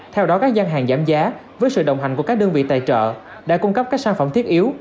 theo đó các gian hàng giảm giá với sự đồng hành của các đơn vị tài trợ đã cung cấp các sản phẩm thiết yếu